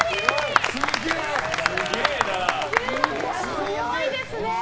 強いですね。